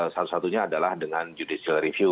satu satunya adalah dengan judicial review